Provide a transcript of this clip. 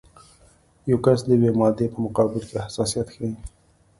یو کس د یوې مادې په مقابل کې حساسیت ښیي.